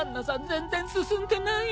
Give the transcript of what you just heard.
全然進んでない。